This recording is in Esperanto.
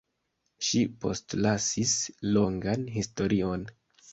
Ŝi postlasis longan historion.